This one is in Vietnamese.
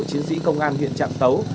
chiến sĩ công an huyện trạm tấu